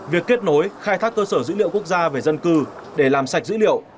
việc kết nối khai thác cơ sở dữ liệu quốc gia về dân cư để làm sạch dữ liệu